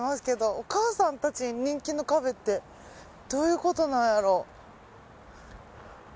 お母さんたちに人気のカフェってどういうことなんやろ？